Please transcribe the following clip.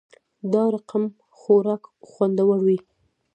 دا رقمخوراک خوندور وی